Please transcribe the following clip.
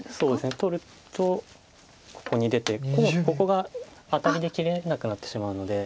取るとここに出て今度ここがアタリで切れなくなってしまうので。